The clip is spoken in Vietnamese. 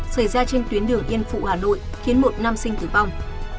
xảy ra trên tuyến đường yên phụ hà nội khiến một nam sinh tử vong